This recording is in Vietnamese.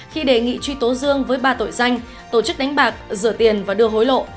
khi đề nghị truy tố dương với ba tội danh tổ chức đánh bạc rửa tiền và đưa hối lộ